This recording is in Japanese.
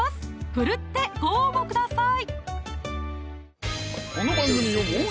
奮ってご応募ください